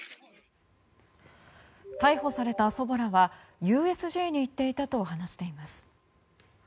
逮捕された祖母らはＵＳＪに行っていたと話しています。